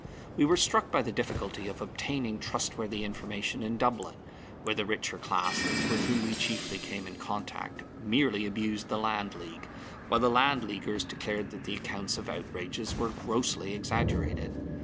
We were struck by the difficulty of obtaining trustworthy information in Dublin, where the richer classes, with whom we chiefly came in contact, merely abused the Land League, while the Land Leaguers declared that the accounts of outrages were grossly exaggerated.